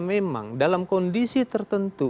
memang dalam kondisi tertentu